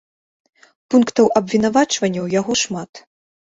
Пунктаў абвінавачвання ў яго шмат.